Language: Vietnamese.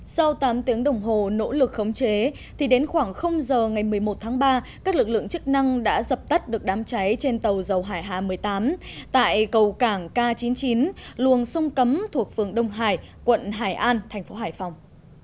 sau tám tiếng đồng hồ nỗ lực khống chế thì đến khoảng giờ ngày một mươi một tháng ba các lực lượng chức năng đã dập tắt được đám cháy trên tàu dầu hải hà một mươi tám tại cầu cảng k chín mươi chín luồng sông cấm thuộc phường đông hải quận hải an thành phố hải phòng